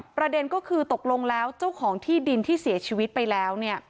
ประเด็นก็คือตกลงแล้วเจ้าของที่ดินที่เสียชีวิตไปแล้ว